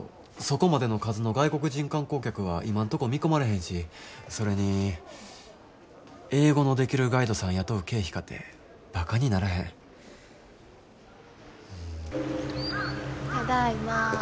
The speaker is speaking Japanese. そこまでの数の外国人観光客は今んとこ見込まれへんしそれに英語のできるガイドさん雇う経費かてばかにならへん。